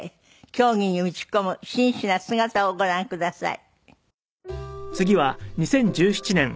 競技に打ち込む真摯な姿をご覧ください。